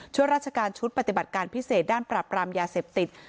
ช่วยราชการชุดปฏิบัติการพิเศษด้านปรับรามยาเสพติด